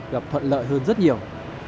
gặp thuận lợi hơn rất nhiều